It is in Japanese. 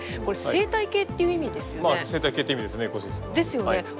これ生態系っていう意味ですよね。